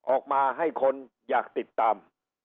ออกมาให้คนอยากติดตาม